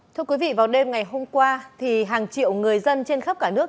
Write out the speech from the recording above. thưa quý vị vào đêm ngày hôm qua thì hàng triệu người dân trên khắp cả nước